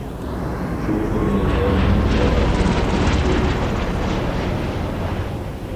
ئۇ ئۆمرىدە مۇنچە ئادەملەرنى كۆرۈپ باقمىغانىدى.